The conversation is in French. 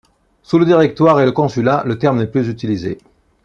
Sous le Directoire et le Consulat, le terme n'est plus utilisé.